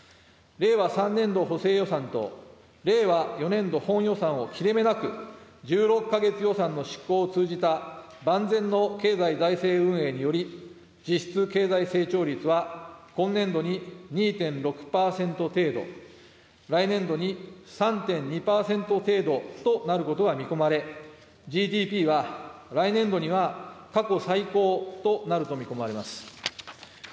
令和３年度補正予算と令和４年度本予算を切れ目なく、１６か月予算の執行を通じた万全の経済財政運営により、実質経済成長率は今年度に２．６％程度、来年度に３．２％程度となることが見込まれ、ＧＤＰは来年度には過去最高となると見込まれます。